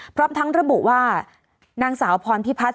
พร้อมทั้งระบุว่านางสาวพรพิพัฒน